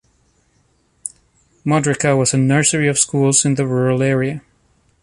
Modrica was a nursery of schools in the rural area.